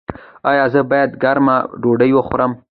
ایا زه باید ګرمه ډوډۍ وخورم؟